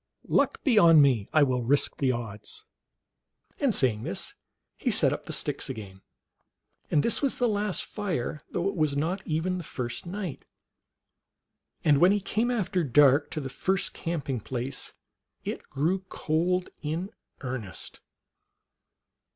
Luck be 011 me, I will risk the odds." And, saying this, he set up the sticks again ; and this was the last fire, though it was not even the first night. And when he came after dark to the first camping place it grew cold in earnest.